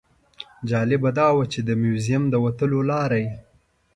جالبه دا وه چې د موزیم د وتلو لاره یې.